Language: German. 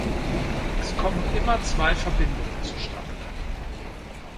Es kommen immer zwei Verbindungen zustande.